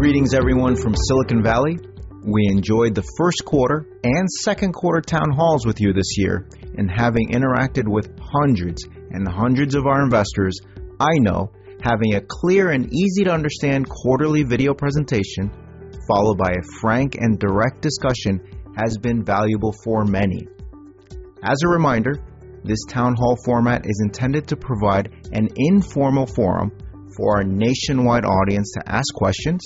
Greetings, everyone, from Silicon Valley. We enjoyed the first quarter and second quarter town halls with you this year, and having interacted with hundreds and hundreds of our investors, I know having a clear and easy-to-understand quarterly video presentation, followed by a frank and direct discussion, has been valuable for many. As a reminder, this town hall format is intended to provide an informal forum for our nationwide audience to ask questions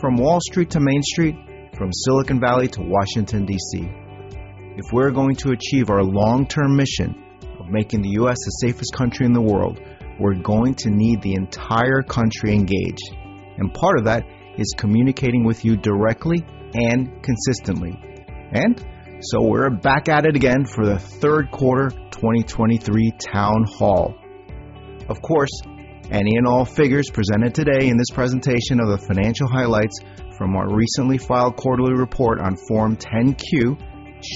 from Wall Street to Main Street, from Silicon Valley to Washington, D.C. If we're going to achieve our long-term mission of making the U.S. the safest country in the world, we're going to need the entire country engaged, and part of that is communicating with you directly and consistently. And so we're back at it again for the third quarter, 2023 town hall. Of course, any and all figures presented today in this presentation are the financial highlights from our recently filed quarterly report on Form 10-Q.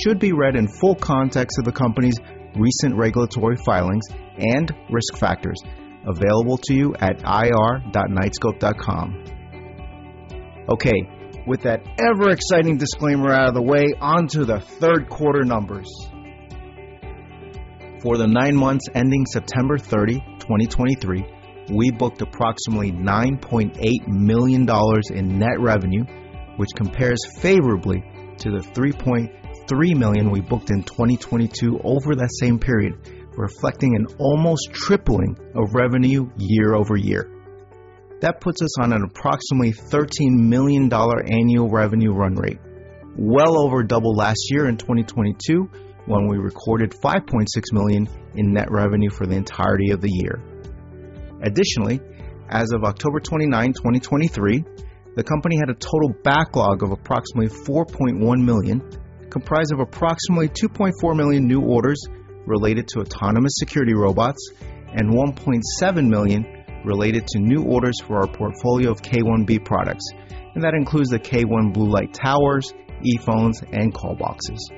Should be read in full context of the company's recent regulatory filings and risk factors available to you at ir.knightscope.com. Okay, with that ever exciting disclaimer out of the way, onto the third quarter numbers. For the nine months ending September 30, 2023, we booked approximately $9.8 million in net revenue, which compares favorably to the $3.3 million we booked in 2022 over that same period, reflecting an almost tripling of revenue year-over-year. That puts us on an approximately $13 million annual revenue run rate, well over double last year in 2022, when we recorded $5.6 million in net revenue for the entirety of the year. Additionally, as of October 29, 2023, the company had a total backlog of approximately $4.1 million, comprised of approximately $2.4 million new orders related to Autonomous Security Robots and $1.7 million related to new orders for our portfolio of K1B products, and that includes the K1 Blue Light Towers, E-Phones, and Call Boxes.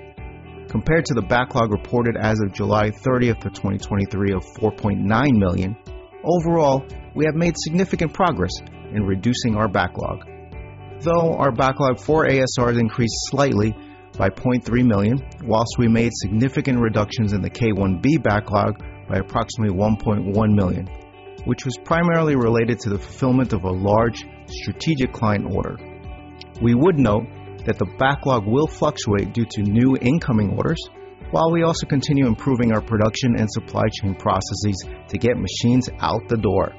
Compared to the backlog reported as of July 30, 2023, of $4.9 million, overall, we have made significant progress in reducing our backlog. Though our backlog for ASRs increased slightly by $0.3 million, while we made significant reductions in the K1B backlog by approximately $1.1 million, which was primarily related to the fulfillment of a large strategic client order. We would note that the backlog will fluctuate due to new incoming orders, while we also continue improving our production and supply chain processes to get machines out the door.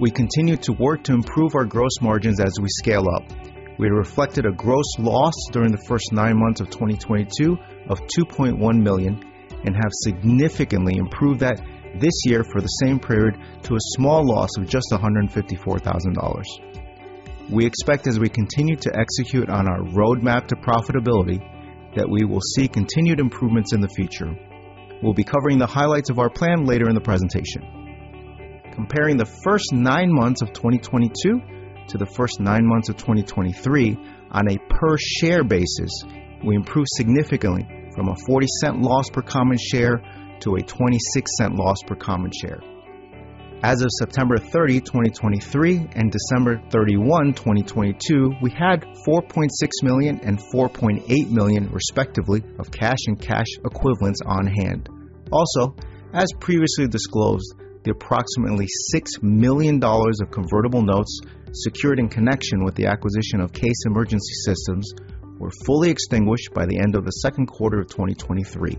We continue to work to improve our gross margins as we scale up. We reflected a gross loss during the first nine months of 2022 of $2.1 million and have significantly improved that this year for the same period to a small loss of just $154,000. We expect as we continue to execute on our roadmap to profitability, that we will see continued improvements in the future. We'll be covering the highlights of our plan later in the presentation. Comparing the first nine months of 2022 to the first nine months of 2023, on a per share basis, we improved significantly from a $0.40 loss per common share to a $0.26 loss per common share. As of September 30, 2023 and December 31, 2022, we had $4.6 million and $4.8 million, respectively, of cash and cash equivalents on hand. Also, as previously disclosed, the approximately $6 million of convertible notes secured in connection with the acquisition of CASE Emergency Systems were fully extinguished by the end of the second quarter of 2023.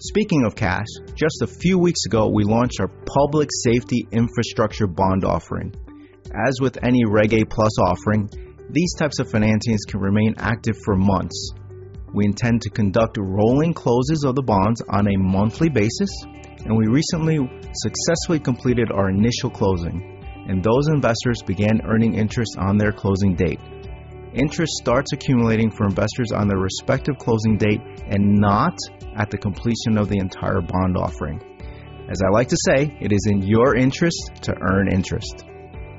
Speaking of cash, just a few weeks ago, we launched our Public Safety Infrastructure Bond Offering. As with any Reg A+ offering, these types of financings can remain active for months. We intend to conduct rolling closes of the bonds on a monthly basis, and we recently successfully completed our initial closing, and those investors began earning interest on their closing date. Interest starts accumulating for investors on their respective closing date and not at the completion of the entire bond offering. As I like to say, it is in your interest to earn interest.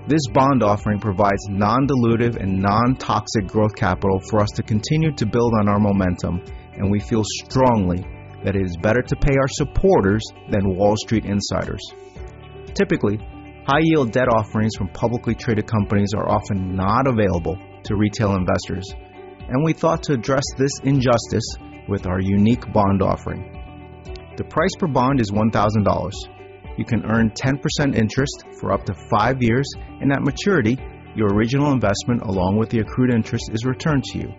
This bond offering provides non-dilutive and non-toxic growth capital for us to continue to build on our momentum, and we feel strongly that it is better to pay our supporters than Wall Street insiders. Typically, high yield debt offerings from publicly traded companies are often not available to retail investors, and we thought to address this injustice with our unique bond offering. The price per bond is $1,000. You can earn 10% interest for up to five years, and at maturity, your original investment, along with the accrued interest, is returned to you.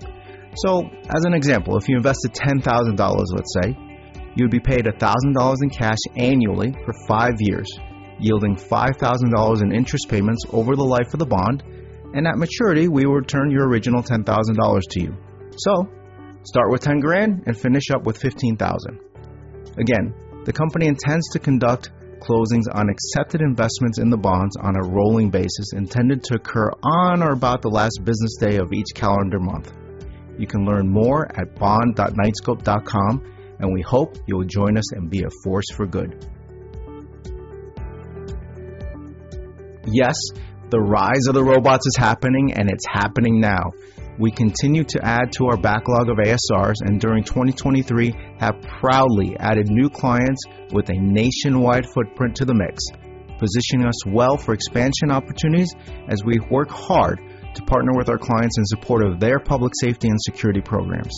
So as an example, if you invested $10,000, let's say. You'll be paid $1,000 in cash annually for five years, yielding $5,000 in interest payments over the life of the bond, and at maturity, we will return your original $10,000 to you. So start with $10,000 and finish up with $15,000. Again, the company intends to conduct closings on accepted investments in the bonds on a rolling basis, intended to occur on or about the last business day of each calendar month. You can learn more at bond.knightscope.com, and we hope you will join us and be a force for good. Yes, the rise of the robots is happening, and it's happening now. We continue to add to our backlog of ASRs, and during 2023, have proudly added new clients with a nationwide footprint to the mix, positioning us well for expansion opportunities as we work hard to partner with our clients in support of their public safety and security programs.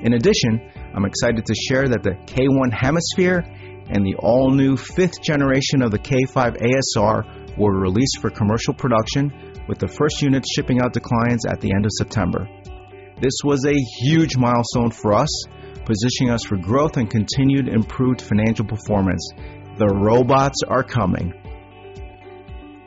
In addition, I'm excited to share that the K1 Hemisphere and the all-new fifth generation of the K5 ASR were released for commercial production, with the first units shipping out to clients at the end of September. This was a huge milestone for us, positioning us for growth and continued improved financial performance. The robots are coming.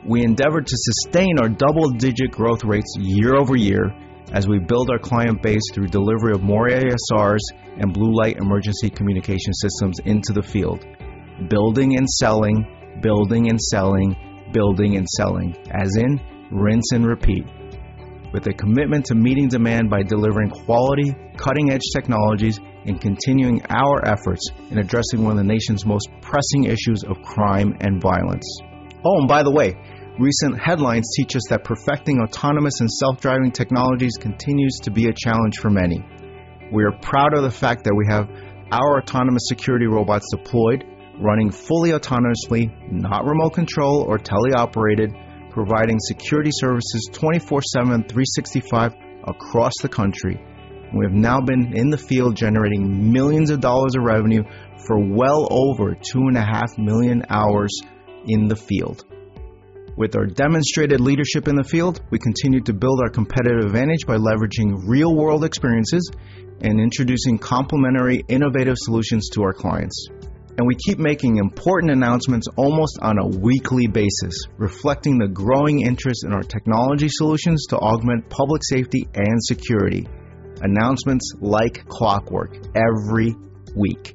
We endeavor to sustain our double-digit growth rates year-over-year as we build our client base through delivery of more ASRs and Blue Light Emergency Communication Systems into the field. Building and selling, building and selling, building and selling, as in rinse and repeat, with a commitment to meeting demand by delivering quality, cutting-edge technologies, and continuing our efforts in addressing one of the nation's most pressing issues of crime and violence. Oh, and by the way, recent headlines teach us that perfecting autonomous and self-driving technologies continues to be a challenge for many. We are proud of the fact that we have our Autonomous Security Robots deployed, running fully autonomously, not remote control or teleoperated, providing security services 24/7, 365 across the country. We have now been in the field generating millions of dollars of revenue for well over 2.5 million hours in the field. With our demonstrated leadership in the field, we continue to build our competitive advantage by leveraging real-world experiences and introducing complementary innovative solutions to our clients. We keep making important announcements almost on a weekly basis, reflecting the growing interest in our technology solutions to augment public safety and security. Announcements like clockwork every week.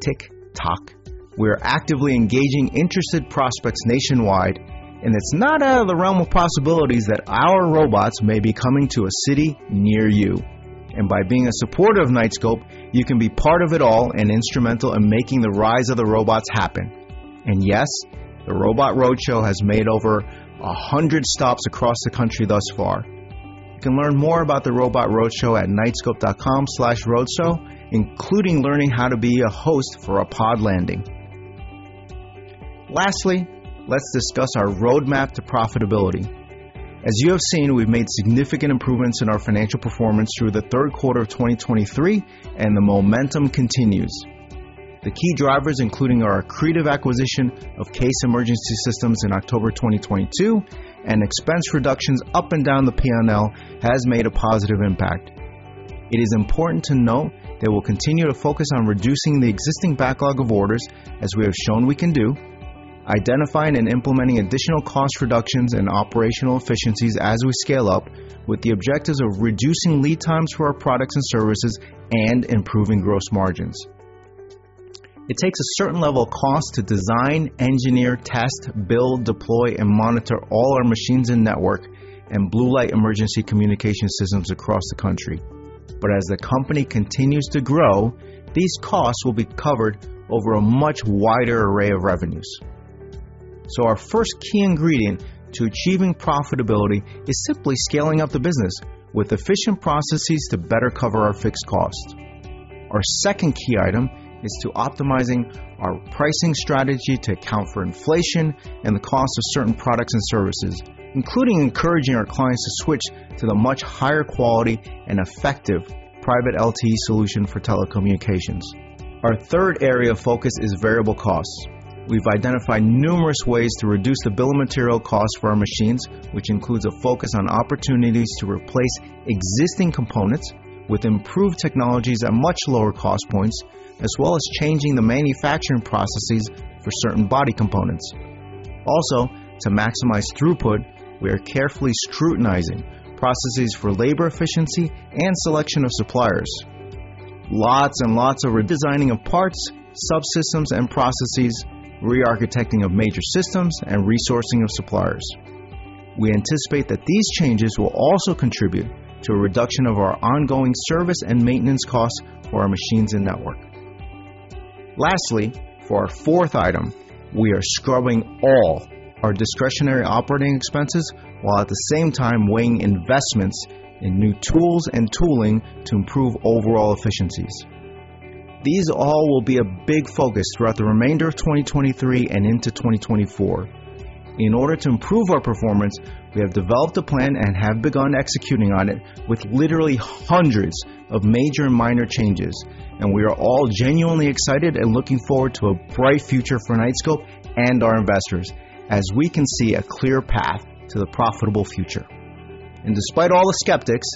Tick, tock. We are actively engaging interested prospects nationwide, and it's not out of the realm of possibilities that our robots may be coming to a city near you. And by being a supporter of Knightscope, you can be part of it all and instrumental in making the rise of the robots happen. And yes, the Robot Roadshow has made over a hundred stops across the country thus far. You can learn more about the Robot Roadshow at knightscope.com/roadshow, including learning how to be a host for a pod landing. Lastly, let's discuss our roadmap to profitability. As you have seen, we've made significant improvements in our financial performance through the third quarter of 2023, and the momentum continues. The key drivers, including our accretive acquisition of CASE Emergency Systems in October 2022, and expense reductions up and down the P&L, has made a positive impact. It is important to note that we'll continue to focus on reducing the existing backlog of orders, as we have shown we can do, identifying and implementing additional cost reductions and operational efficiencies as we scale up, with the objectives of reducing lead times for our products and services and improving gross margins. It takes a certain level of cost to design, engineer, test, build, deploy, and monitor all our machines and network and Blue Light Emergency Communication Systems across the country. But as the company continues to grow, these costs will be covered over a much wider array of revenues. So our first key ingredient to achieving profitability is simply scaling up the business with efficient processes to better cover our fixed costs. Our second key item is to optimizing our pricing strategy to account for inflation and the cost of certain products and services, including encouraging our clients to switch to the much higher quality and effective Private LTE solution for telecommunications. Our third area of focus is variable costs. We've identified numerous ways to reduce the bill of materials costs for our machines, which includes a focus on opportunities to replace existing components with improved technologies at much lower cost points, as well as changing the manufacturing processes for certain body components. Also, to maximize throughput, we are carefully scrutinizing processes for labor efficiency and selection of suppliers. Lots and lots of redesigning of parts, subsystems, and processes, rearchitecting of major systems, and resourcing of suppliers. We anticipate that these changes will also contribute to a reduction of our ongoing service and maintenance costs for our machines and network. Lastly, for our fourth item, we are scrubbing all our discretionary operating expenses, while at the same time weighing investments in new tools and tooling to improve overall efficiencies. These all will be a big focus throughout the remainder of 2023 and into 2024. In order to improve our performance, we have developed a plan and have begun executing on it with literally hundreds of major and minor changes, and we are all genuinely excited and looking forward to a bright future for Knightscope and our investors, as we can see a clear path to the profitable future. Despite all the skeptics,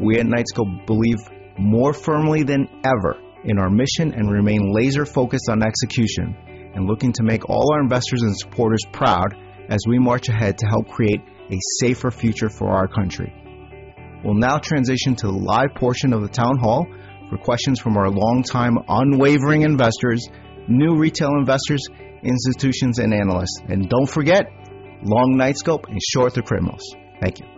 we at Knightscope believe more firmly than ever in our mission and remain laser focused on execution and looking to make all our investors and supporters proud as we march ahead to help create a safer future for our country. We'll now transition to the live portion of the town hall for questions from our longtime, unwavering investors, new retail investors, institutions, and analysts. Don't forget, long Knightscope and short the criminals. Thank you.